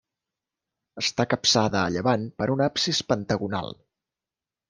Està capçada a llevant per un absis pentagonal.